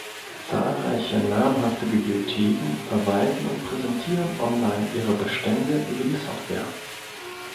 Zahlreiche namhafte Bibliotheken verwalten und präsentieren online ihre Bestände über die Software.